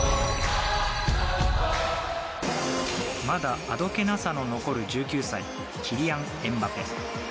まだあどけなさの残る１９歳キリアン・エムバペ。